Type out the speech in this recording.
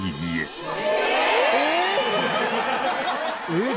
えっ？